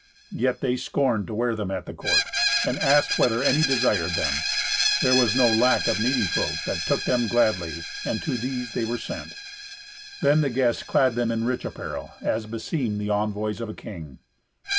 Yet they scorned to wear them at the court, and asked whether any desired them. There was no lack of needy folk, that took them gladly, and to these they were sent. Then the guests clad them in rich apparel, as beseemed the envoys of a king.